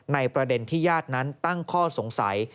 ประเด็นที่ญาตินั้นตั้งข้อสงสัย